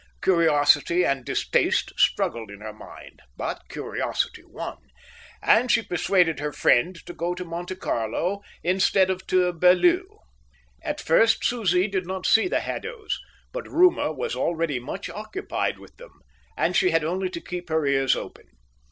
Curiosity and distaste struggled in her mind, but curiosity won; and she persuaded her friend to go to Monte Carlo instead of to Beaulieu. At first Susie did not see the Haddos; but rumour was already much occupied with them, and she had only to keep her ears open.